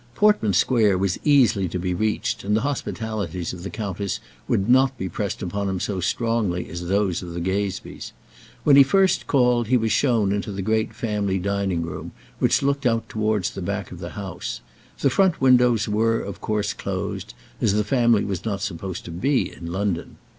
Portman Square was easily to be reached, and the hospitalities of the countess would not be pressed upon him so strongly as those of the Gazebees. When he first called he was shown into the great family dining room, which looked out towards the back of the house. The front windows were, of course, closed, as the family was not supposed to be in London.